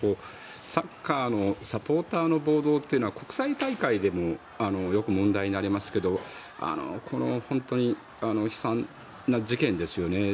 サッカーのサポーターの暴動というのは国際大会でもよく問題になりますけど本当に悲惨な事件ですよね。